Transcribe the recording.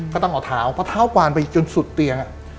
ก็ต้องเอาเท้าเพราะเท้ากวานไปจนสุดเตียง